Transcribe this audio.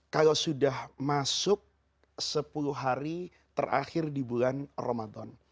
kalau sudah masuk sepuluh hari terakhir di bulan ramadan